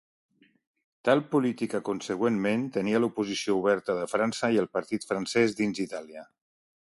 Tal política consegüentment tenia l'oposició oberta de França i el partit francès dins Itàlia.